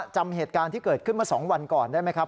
จำเหตุการณ์ที่เกิดขึ้นมา๒วันก่อนได้ไหมครับ